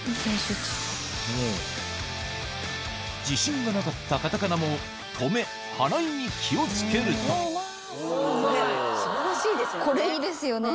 自信がなかったカタカナもとめはらいに気を付けるとこれいいですよね。